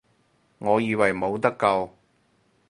我以為冇得救